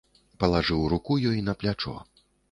Палажыў руку ёй на плячо.